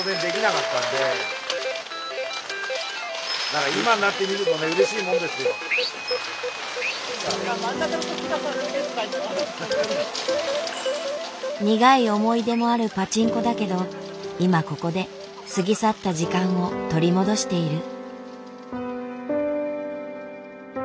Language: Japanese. だからよく苦い思い出もあるパチンコだけど今ここで過ぎ去った時間を取り戻している。